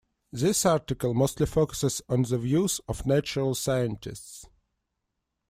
This article mostly focuses on the views of natural scientists.